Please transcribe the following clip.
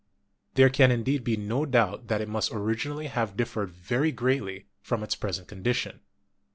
There can indeed be no doubt that it must originally have differed very greatly from its pres ent condition.